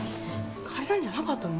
借りるんじゃなかったの？